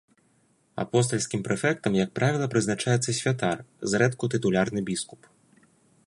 Апостальскім прэфектам, як правіла, прызначаецца святар, зрэдку тытулярны біскуп.